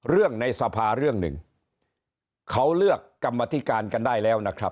ในสภาเรื่องหนึ่งเขาเลือกกรรมธิการกันได้แล้วนะครับ